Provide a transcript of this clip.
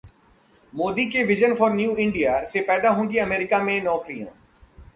मोदी के 'vision for new India' से पैदा होंगी अमेरिका में नौकरियां